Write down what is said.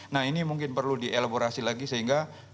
nah ini mungkin perlu dielaborasi lagi sehingga